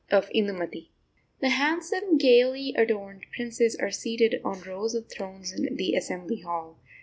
] The handsome, gaily adorned princes are seated on rows of thrones in the assembly hall.